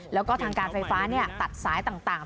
แล้วก็ทางการไฟฟ้าตัดสายต่าง